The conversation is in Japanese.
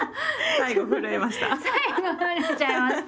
最後震えちゃいました。